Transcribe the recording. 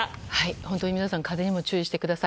本当に皆さん風にも注意してください。